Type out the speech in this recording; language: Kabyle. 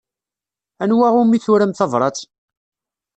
Anwa umi turam tabṛat?